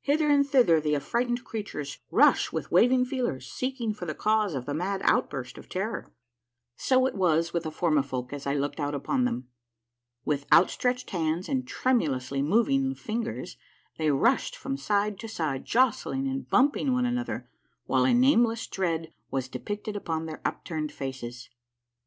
Hither and thither the affrighted creatures rush with waving feelers, seeking for the cause of the mad outburst of terror. So it was with the Formifolk as I looked out upon them. With outstretched hands and tremulously moving lingers they rushed from side to side, jostling and bumping one another, while a nameless dread wfis depicted upon their upturned faces.